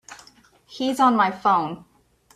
He's on my phone.